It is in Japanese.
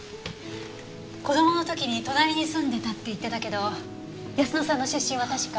子供の時に隣に住んでたって言ってたけど泰乃さんの出身は確か。